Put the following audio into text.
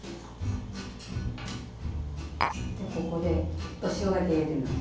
でここでちょっと塩だけ入れてみます。